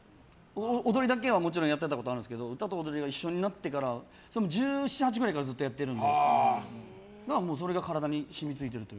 踊りだけはもちろんやってたことあるんですけど歌と踊りが一緒になってから１７１８くらいからずっとやってるのでそれが体に染みついている。